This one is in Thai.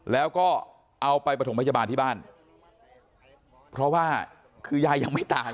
แล้วก็เอาไปประถมพยาบาลที่บ้านเพราะว่าคือยายยังไม่ตาย